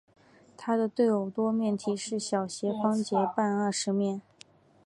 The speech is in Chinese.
它的对偶多面体是小斜方截半二十面体。